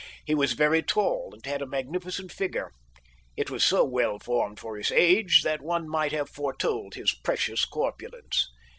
He was very tall and had a magnificent figure. It was so well formed for his age that one might have foretold his precious corpulence.